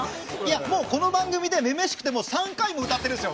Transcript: この番組で「女々しくて」３回も歌っているんですよ。